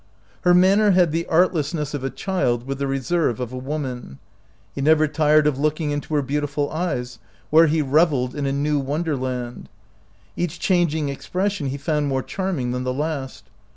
Her manner had the artlessness of a child with the reserve of a woman. He never tired of looking into her beautiful eyes, where he reveled in a new wonderland. Each changing expression he found more charming than the last.